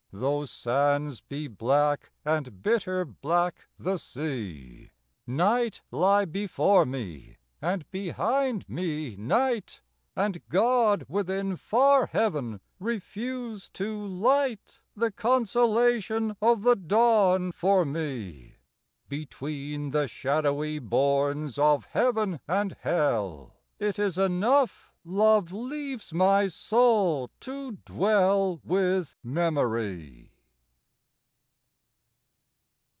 Though sands be black and bitter black the sea, Night lie before me and behind me night, And God within far Heaven refuse to light The consolation of the dawn for me, Between the shadowy bournes of Heaven and Hell, It is enough love leaves my soul to dwell With memory.